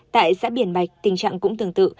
tại xã biển bạch tình trạng cũng tương tự